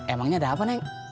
emangnya ada apa neng